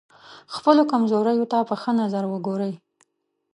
خپلو کمزوریو ته په ښه نظر وګورئ.